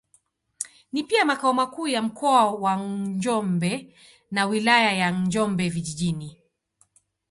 Ni pia makao makuu ya Mkoa wa Njombe na Wilaya ya Njombe Vijijini.